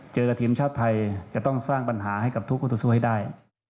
เจอกับทีมชาติไทยจะต้องสร้างปัญหาให้กับทุกคู่ต่อสู้ให้ได้